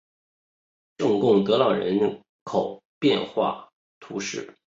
圣贡德朗人口变化图示